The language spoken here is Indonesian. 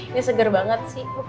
ini segar banget sih